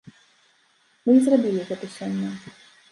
Мы і зрабілі гэта сёння.